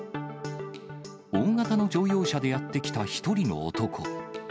大型の乗用車でやって来た１人の男。